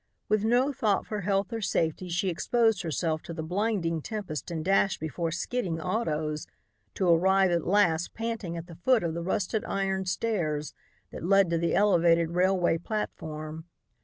With no thought for health or safety she exposed herself to the blinding tempest and dashed before skidding autos, to arrive at last panting at the foot of the rusted iron stairs that led to the elevated railway platform.